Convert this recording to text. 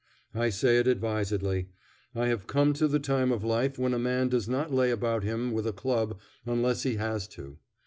I say it advisedly. I have come to the time of life when a man does not lay about him with a club unless he has to.